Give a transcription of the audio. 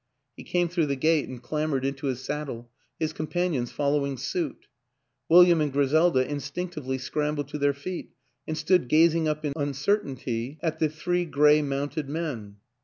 He came through the gate and clambered into his saddle, his companions following suit; Wil liam and Griselda instinctively scrambled to their feet and stood gazing up in uncertainty at the three gray mounted men.